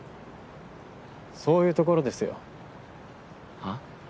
そういうところですよ。は？